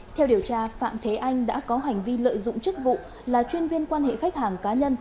theo điều tra phạm thế anh đã có hành vi lợi dụng chức vụ là chuyên viên quan hệ khách hàng cá nhân